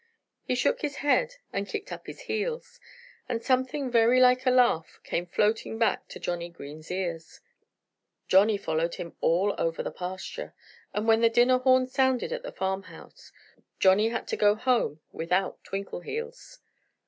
He shook his head and kicked up his heels. And something very like a laugh came floating back to Johnnie Green's ears. Johnnie followed him all over the pasture. And when the dinner horn sounded at the farmhouse Johnnie had to go home without Twinkleheels.